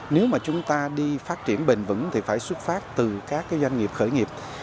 nếu mà chúng ta đi phát triển bền vững thì phải xuất phát từ các doanh nghiệp khởi nghiệp